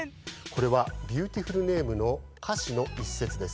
これは「ビューティフル・ネーム」のかしのいっせつです。